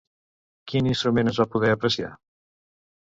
Quin instrument es va poder apreciar?